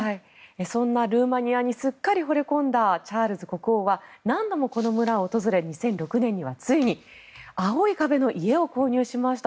そんなルーマニアにすっかりほれ込んだチャールズ国王は何度もこの村を訪れ２００６年にはついに青い壁の家を購入しました。